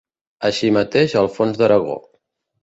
Així mateix Alfons d'Aragó.